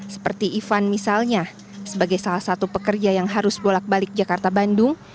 seperti ivan misalnya sebagai salah satu pekerja yang harus bolak balik jakarta bandung